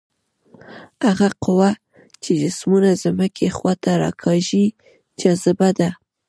هغه قوه چې جسمونه ځمکې خواته راکاږي جاذبه ده.